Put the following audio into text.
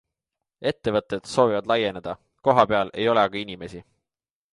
Ettevõtted soovivad laieneda, kohapeal ei ole aga inimesi.